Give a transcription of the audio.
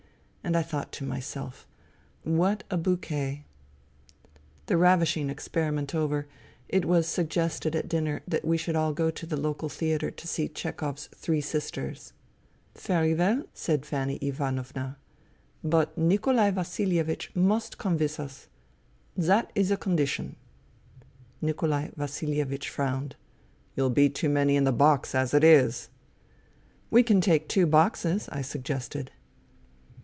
And I thought to my self : What a bouquet ! The ravishing experiment over, it was suggested at dinner that we should all go to the local theatre to see Chehov's Three Sisters, " Very well," said Fanny Ivanovna, " but Nikolai Vasilievich must come with us. That is the condi tion." Nikolai Vasilievich frowned. " You'll be too many in the box as it is." " We can take two boxes," I suggested.